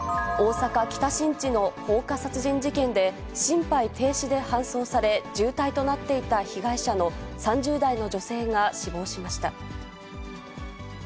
大阪・北新地の放火殺人事件で、心肺停止で搬送され、重体となっていた被害者の３０代の女性が死亡しました。